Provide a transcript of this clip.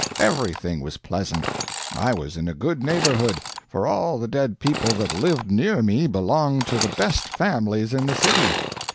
Everything was pleasant. I was in a good neighborhood, for all the dead people that lived near me belonged to the best families in the city.